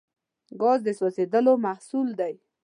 ګاز د سوځیدلو محصول دی.